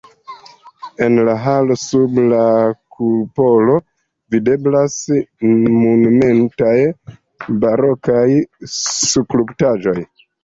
En la halo sub la kupolo videblas monumentaj barokaj skulptaĵoj.